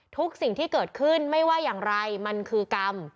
สิ่งที่เกิดขึ้นไม่ว่าอย่างไรมันคือกรรม